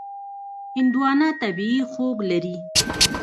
هندوانه طبیعي خوږ لري.